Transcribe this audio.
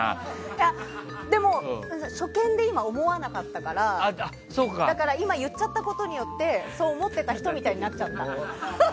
いや、でも初見で今、思わなかったからだから今言っちゃったことによってそう思ってた人みたいになっちゃった。